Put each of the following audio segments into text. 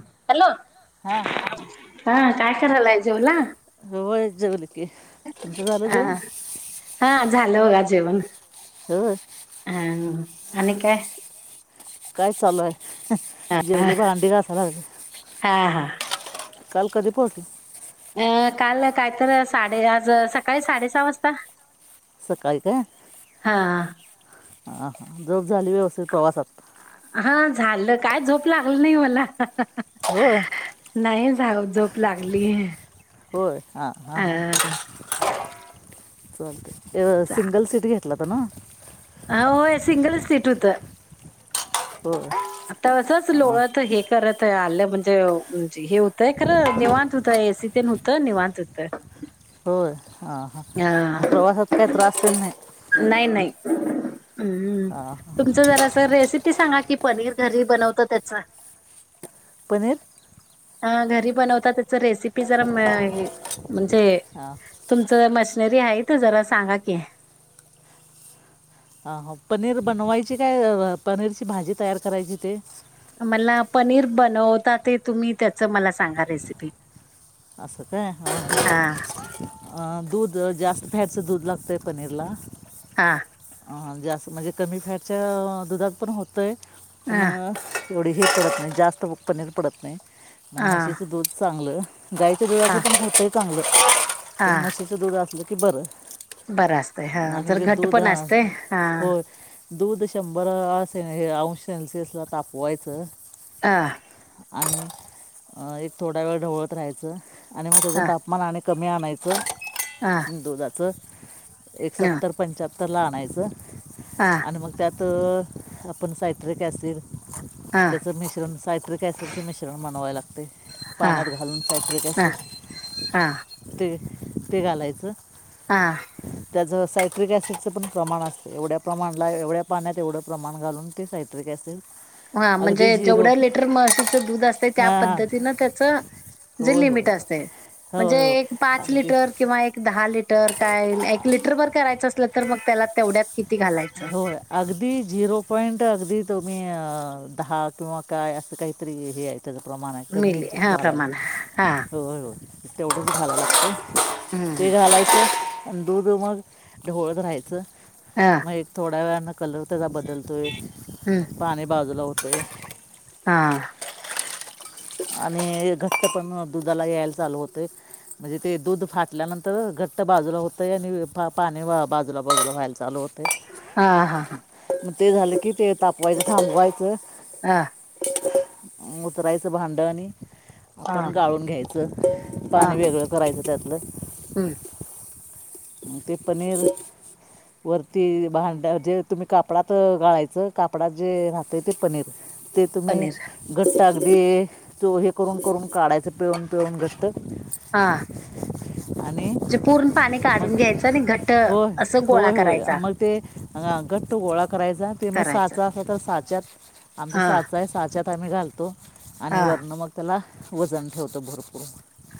Hello हा हा काय करायलाय जेवला होय जेवल की तुमचं झालं हा जेवण हा झालं बघा जेवण हो आणि काय काय चालू आहे जेवले भांडी घातलाे हा हा काल कधी पोर्ट अ काल कायत साडे आज सकाळी साडे सहा वाजता सकाळी काय हा ह हां जर झाली व्यवस्थित प्रवासात हा झालं काय झोप लागलं नाही मला हो नाही झा झोप लागली होय हा हा अ हां चालते सिंगल सीट घ कला तर ना हो हो सिंगलच सीट होतं हो आता असंच लोळत हे करत आलं म्हणजे हे होतंय खरं निवांत होतय एसी तेन होतं निवांत होतं ह होय हां हां मग प्रवासात काही त्रास तर नाही नाही नाही हां हां. तुमच जरा रेसिपी सांगा की पनीर घरी बनवत त्याचा पनीर हा घरी बनवता त्याच रेसिपी मिळाली जरा म्हणजे, हां तुमचं मशनरी आहे त जरा सांगा की. अ पनीर बनवायची काय पनीरची भाजी तयार करायची ते- मला पनीर बनवता ते तुम्ही त्याच मला सांगा रेसिपी. अस काय हा हा दूध जास्त फॅटचं दूध लागतंय पनीरला. हां अ जास्त म्हणजे कमी फॅटच्या दुधात पण होतंय ह पण. एवडीही पडत नाही जास्त पनीर पडत नाही मग ह म्हशीचं दूध चांगलं गायचं दुधाचं ह पण होतंही चांगलं हा पण म्हशीचं दूध असलं की बरं. बरं असत हा आणि जर जे घट दूध पण हा असते हा? होय दूध शंभर अंश सेल्सिअस ला तापवायचं. हं आणि एक थोडा वेळ ढवळत राहायचं आणि मग त्याचं तापमान अने- कमी आणायचं हा. दुधाचं एकसत्तर पंच्याहत्तर ला आणायचं. हां. आणि मग त्यात आपण सायट्रिक ॲसिड ह त्याच मिश्रण सायट्रिक सिडच मिश्रण बनवा लागते पाण्यात घालून फॅब्रिक असेल ह ते ते घालायचं. हां. त्याच सायट्रिक सिडचं पण प्रमाण असते एवढ्या प्रमाणला एवढ्या पाण्यात एवढं प्रमाण घालून ते साहित्य हे असतय. हा म्हणजे जेवढ्या लिटर म्हशीचं दूध असत त्या हां पद्धतीनं त्याच. जे होय होय लिमिट असते म्हणजे होय हो एक पाच अगदी लिटर किंवा एक दहा लिटर काय एक लिटर बर करायचं असलं तर मग त्याला तेवढ्यात किती? घालायचं होय. अगदी झिरो पॉईंट अगदी तुम्ही दहा किंवा काय असं काहीतरी हे आहे. त्याचं प्रमाण आहे कमी मिली हच्यात हा घालायला प्रमाण हा लागतं होय हो तेवढंच घालायला लागतंय. ते हम्म. घालायचं आणि दूध मग ढवळत राहायचं. हा. मग एक थोड्या वेळान कलर त्याचा बदलतोय हम्म पाणी बाजूला होतोय. हा. आणि घट्ट पण दुधाला यायला चालू होतय. म्हणजे ते दूध फाटल्यानंतर घट्ट बाजूला होतय आणि पाणी बाजूला बाजूला व्हायलतय. चालू होतय. हा -हा -हा. मग ते झालं की ते तापवायचं थांबवायचं. हा. उतरायचं भांड आणि हा आपण गाळून घ्यायचं हा पाणी वेगळं करायचं त्यातलं हम्म. न ते पनीर वरती भांड्या जे तुम्ही कापडात गाळायचं कापडात जे राहतं ते पनीर. ते तुम्ही? पनीर घट्ट अगदी चो हे करून करून काढायचं पिळून पिळून घट्ट. हा. आणि म्हणजे पूर्ण पाणी काढून मग घ्यायचं आणि घट्ट असं गोळा करायचा. ह घट्ट गोळा करायचा ते मग करायचं साचा असा तर साच्यात आमचा हा साचा आहे साच्यात हताम्ी घालतो आणि हा वरणं मग त्याला वजन ठेवतो भरपूर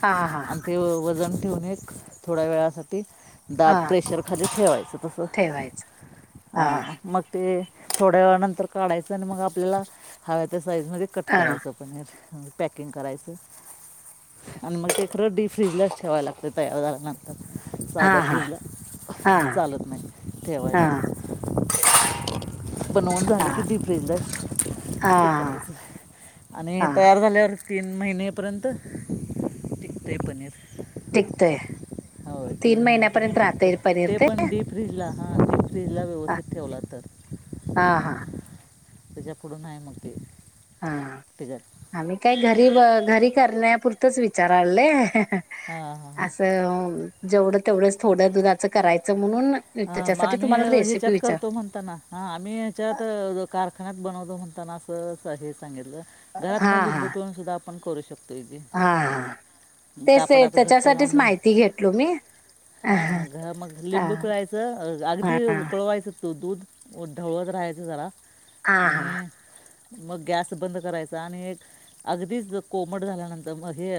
हा ह हा आणि हा. ते वजन ठेवून एक थोड्या वेळासाठी दाब हा प्रेशरखाली ठेवायचं तस ठेवायचं हा ह मग ते थोड्या वेळानंतर काढायचं आणि मग आपल्याला हव्याच्या साईजमध्ये कट हा करायचं. प पॅकिंग करायचं. आणि मग ए र डी फ्रीजलाच ठेवायला लागते तयार झाल्यानंतर हा साध्या हा फ्रीजला हा चालत नाही हा ठेवायला बनून जाली हा कितीी फ्रंद हा एक नाही. आणि हा तयार झाल्यावर तीन महिनेपर्यंत तिकते पनीर टिकते. हो तीन महिन्यापर्यंत ते पण फ्रीजला हां फ्रीजला व्यवस्थित ठेवला तर हा हा त्याच्या पुुढून आहे मग ते हा त्याच्यात आम्ही काय घरी घरी करण्यापुरतंच विचार आणले. हां हां हां असं जेवढं तेवढंच थोडं दुधाचं करायचं म्हणून मग त्याच्यासाठी आम्ही तुम्हाला रेसिपी ह्याच्यात विचार- करतो ताना हा आम्ही ह्याच्यात कारखान्यात बनवतो म्हणताना असं हे सांगितलं. घरात हा म हा लिंबू पिळून सुद्धा आपण करू शकतोय. हा तेच कापडात त्याच्यासाठीच माहिती घेतलो मी- हा घर मग हा लिंबू- पिळायच अगदी उकळवायचं तू दूध ढवळत राहायचं जरा आणि हा मग गॅस बंद करायचा आणि एक अगदीच कोमट झाल्यानंतर मग हे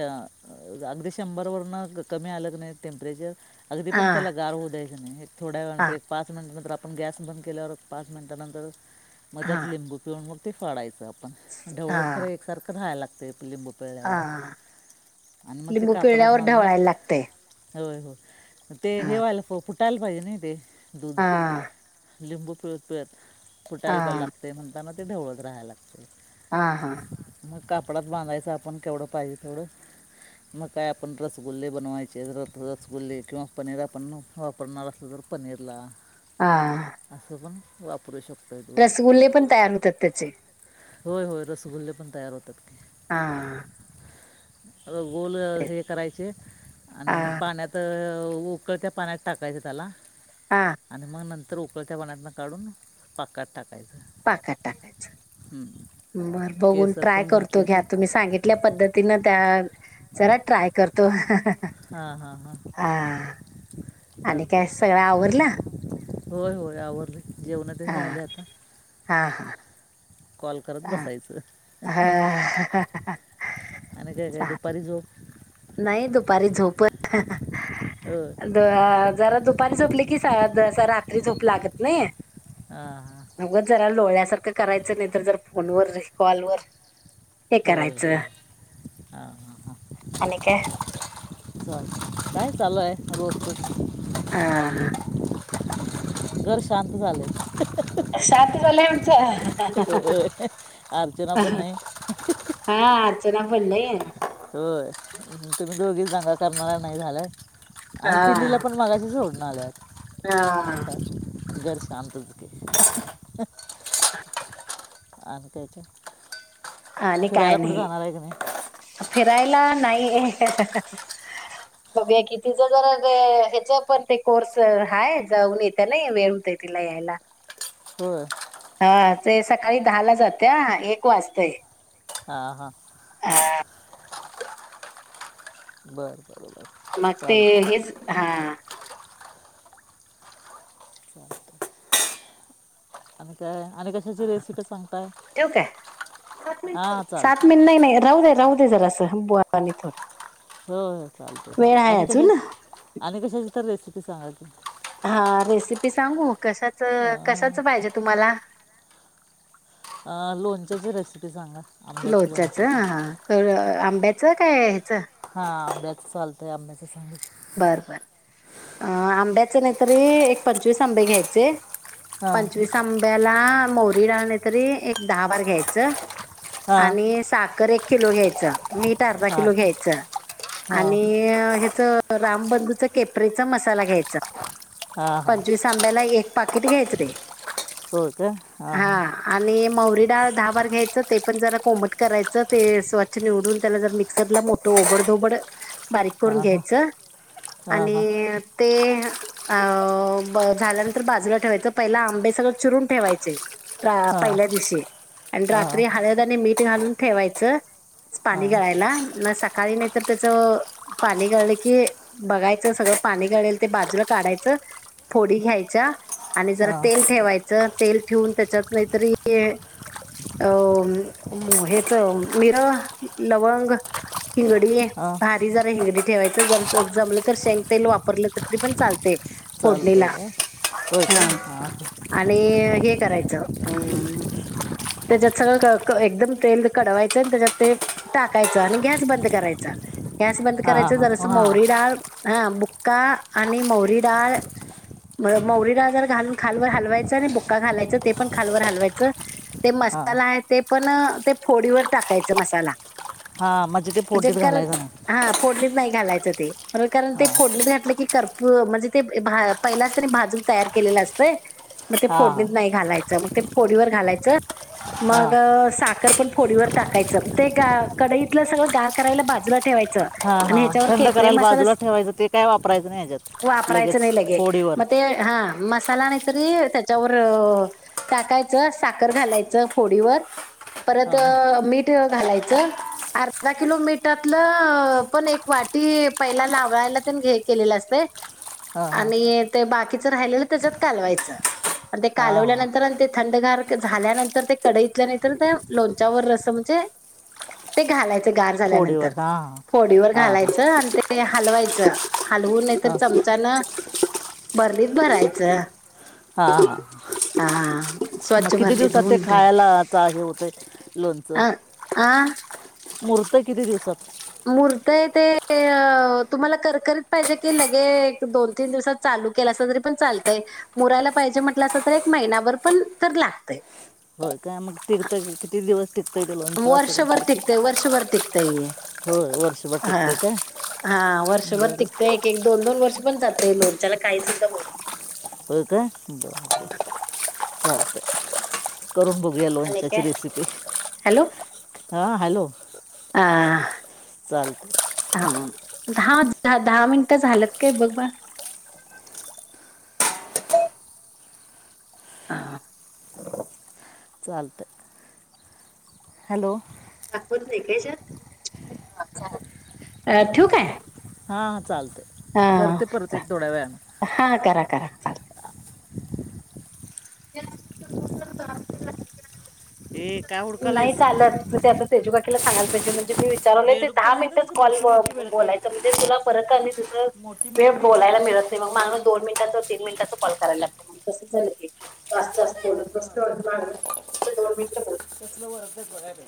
अगदी शंभर वरन कमी आलं क नाही टेम्परेचर. अगदी पण त्याला हा गार होऊ दयचं नाही एक थोड्या वेळ नर पाच मिनटंतर. आपण गॅस बंद केल्यावर पाच मिनटानंतर मध्ये हा त्यात लिंबू पिऊून मग ते फाडायचं. आपण ण ढवळ खरं एकसारखं घ्यायला लागतेय लिंबू. हा पिळल्यावर आणि मग ते लिंबू कापडात पिळल्यावर बांधून ढवळायला लागतंय. होय हो ते हेवायला फुटायला पाहिजे नाही ते दूध. हा लिंबू पिळत पिळत हा खुटायला लागते म्हणताना ते ढवळक राहायला लागते. हा हां मग कापडात बांधायचं आपण केवढं पाहिजे थोडं. मग काय आपण रसगुल्ले बनवायचे रसगुल्ले किंवा पनीर पण वापर वापरणार असलं तर पनीरला. हां असं पण वापरू शकतो. रसगुल्ले पण तयार होतात त्याचे. होय होय रसगुल्ले पण तयार होतात की. हां गोल हे करायचे हा आणि पाण्यात उकळत्या पाण्यात ताकायच तला हां आणि मग नंतर उकळत पाण्यातनं काढून पाकात टाकायचं पाकात टाकायचं. हम्म बरं बघून केसर ट्राय तेन करतो घातलं की घ्या तुम्ही सांगित कल्या पद्धतीन त्या जरा ट्राय करतो. हा हा हां हां [unintelligible] आणि काय सगळं आवरला. होय होय आवरली जेवणात हा झाले आता. हा हा कॉल करत हा बसायचं हां अनेक दुपारी झोप नाही दुपारी झोपत. अ [unintelligible] जरा दुपारी झोपली की ज रात्री झोप लागत नाही. ह हां अगं जरा लोहळ्यासारखं करायचं नाही तर जर फोनवर र कॉलवर हे हो हो करायचं हो हां हां हां. आणि काय? काय चालू आहे रोज आ अ घर शांत झाले. शातवला म्हणचा. अर्चना प नाही हा अर्चना पणय हो तुम्ही दोघीच जांगा करणारा नाही झाल्या आणि पिल्लीला हा पण मागाचीच होो ना हा घर शांत हो चुके आण कायच आणि फिरायला काय पुुठे नाही जाणार आहे की नाही फिरायला नाही बघया की तिचं जरा ते ह्याच पण ते कोर्स हा जाऊन येते नाही वेळ होत तिला यायला हो हा ते सकाळी दहा ला जाते एक वाजताय हा हा ह बरं बरं बरं मग ते चालतं हेच हा ह आणि काय आणि क ठव काय स हां चालतं सात मिन नाही नाही राहू दे राह जरा असं बवा थोड हो हो चालत चालत आणि अजून कशाची आणि कशाची तर रेसिपी सांगा तुम्ही हा रेसिपी सांगू कशाच अं, कशाच पाहिजे तुम्हाला लोणच्याची रेसिपी सांगा आंब्याच्या लोचाच लोणच्याची हा आंब्याचं काय ह्याच हा आंब्याच चालतय आंब्याच सांग बर बर आंब्याच नाहीतरी एक पंचवीस आंबे घ्यायचे हां पंचवीस आंब्याला मोरी ालणे तरी एक दहा बार घ्यायचं हां आणि साखर एक किलो घ्यायचं मीठ अर्धा हां किलो घ्यायचं हां आणि ह्याच रामबंधूचा केपरेचा मसाला घ्यायचा हां हां पंचवीस आंब्याला एक पाकिट घ्यायचं रे होय का हां हा हां आणि मौवरी डाळ दहा बार घ्यायचं ते पण जरा कोमट करायचं ते स्वच्छ निवडून त्याला जर मिक्सरला मोठ तो ओबड धोबड बारीक करून हां घ्यायच हां हां आणि ते अ झाल्यानंतर बाजूला ठेवायचं पहिला आंबे सगळं चिरून ठेवायचे हां पहिल्या दिवशी आणि हां रात्री हळद आणि मीठ घालून ठेवायचं पाणी हां गळायला म सकाळी नाही तर त्याच पाणी गळलं की बघायचं सगळं पाणी गळेल ते बाजूला काढायचं फोडी घ्यायच्या. आणि जरा हां तेल ठेवायचं तेल ठेवून त्याच्यात नाहीतरी अ हेच मिर लवंग हिंगडी हां भारी जरा हिंगडी ठेवायच जर जमलं तर शेंग तेल वापरलं तरी पण चालते. फोडणीला चालतंय काय होय हा का हां आणि हे करायचं. त्याच्यात सगळं एकदम तेल कडवायचं आणि त्याच्यात ते टाकायचं आणि गॅस बंद करायच गॅस बंद करायच हां जर अस हां मौरी डाळ. हा बुक्का आणि मौरी डाळ मग मौरीला आजार घालून खालवर हलवायचं आणि बुक्का घालायचं ते पण खालवर हलवायचं. ते हां मसाला आहे ते पण ते फोडीवर टाकायचं मसाला हा म्हणजे ते फोर्टस घालायचं नाही. हा फोडणीत नाही घालायचं ते कारण ते हां फोडणीत घातलं की कर्पूर म्हणजे ते पहिलाच त्यानी भाजून तयार केलेलं असत मग ते हां फोडणीत नाही घालायचं मग ते फोडीवर घालायच. मग हां साखर पण फोडीवर टाकायचं ते ग कडईतलं सगळं गार करायला बाजूला ठ हां हां थंड हच्याे करायला म बाजूला ठेवायचं ते काय वापरायचं नाही ह्याच्यात वाप लगेच ले. फोडीवर ते हा मसाला नाहीतरी त्याच्यावर टाकायचं. साकर घालायचं फोडीवर परत हां हां मीठ घालायचं. अर्धा किलो मिठातलं पण एक वाटी पहिला लावळायला ते घे. केलेलं असते हां आणि बाकीच राहि त्याच्यात कालवायच आणि ते हां हां कालवल्यानंतर थंडार. झाल्यानंतर ते कडईतल्या नाही तरर त्या लोणच्यावर रस म्हणजे ते घालायचं गार झाल्यानंतर फोडीवर हां फोडीवर हां हां हां घालायचं आणि ते हलवायचं हलवून नाही तरर हां चमचान बर्लीत भरायचं. हा हां. हा मग स्वच्छ किती भरली दिवसात ते धुवून धुऊन खायलाच आहे होतं लोणचं. अ आ. मूर्त किती दिसात मूर्त आहे ते तुम्हाला करकीत पाहिजे की लगे दोन तीन दिवसात चालू केलं तरी पण चालतंय मोरायला पाहिजे म्हटलं अस तर एक महिनाभर पण तर लागतय. हो काय मग तिर् किती दिवस टिकत ते लंच वर्षभर टिकतय वर्षभर टिकतय हे हो वर्षभर हा टिकत का? हा वर्षभर तिकते एक एक दोन दोन वर्ष पण जातय लोनच्याला काही सुद्धा होत. पक द ह. करून बघूया आणि लोंचाची काय रेसिपी हा हॅलो. आ. चालतं हा दहा दहा मिनिटं झाल्यात काय बघ बा. हा. चालतं. हॅलो. दाखवत नाही का ठेू काय? हा हा चालत. हा हा करा करा चा ए काय नाही हुडकालायस चालत. ते आ तेजूकाकीला सगाय पाहिजे म्हजे म विचारले ते बेडूक तर दहा नाही तर मिनिटच तिथे कॉल मोठी मोठी बेडकं बोलायचं आहेत म्हणजे तुला फरक काम् तसं. मोठी वे मोठी लय बोलायला बेडकं मिळत आहेत नाही मग माग दोन मिनटचं तनट ॉल करायला ला झा बोल दोन मिनट तसल्या व अर्च बघायला.